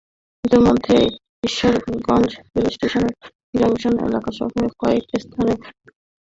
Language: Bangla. ইতিমধ্যে ঈশ্বরগঞ্জ রেলওয়ে জংশন এলাকাসহ কয়েকটি স্থানে রেললাইন প্রায় পাথরশূন্য হয়ে পড়েছে।